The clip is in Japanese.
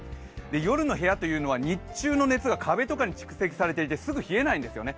夜の部屋というのは日中の熱が壁とかに蓄積されていてすぐ冷えないんですよね。